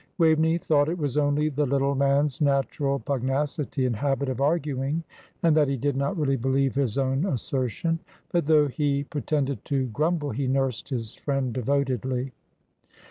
Waveney thought it was only the little man's natural pugnacity and habit of arguing, and that he did not really believe his own assertion; but though he pretended to grumble, he nursed his friend devotedly.